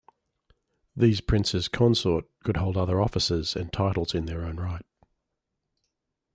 These princes consort could hold other offices and titles in their own right.